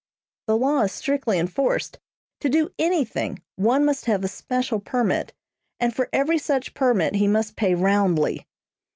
The law is strictly enforced. To do anything, one must have a special permit, and for every such permit he must pay roundly.